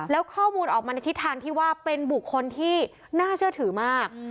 แล้วข้อมูลออกมาในทิศทางที่ว่าเป็นบุคคลที่น่าเชื่อถือมาก